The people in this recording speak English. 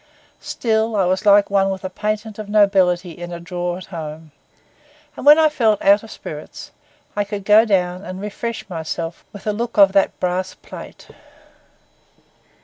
Still, I was like one with a patent of nobility in a drawer at home; and when I felt out of spirits I could go down and refresh myself with a look of that brass plate.